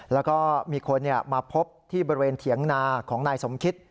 แล้วก็มีคนมาพบที่บริเวณเถียงนาของนายสมคิต